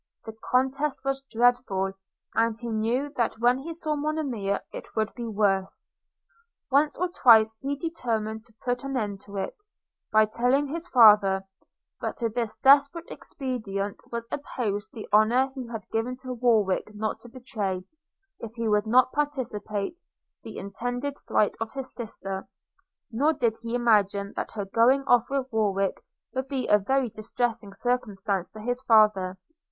the contest was dreadful; and he knew that when he saw Monimia it would be worse. – Once or twice he determined to put an end to it, by telling his father; but to this desperate expedient was opposed the honour he had given to Warwick not to betray, if he would not participate, the intended flight of his sister; nor did he imagine that her going off with Warwick would be a very distressing circumstance to his father.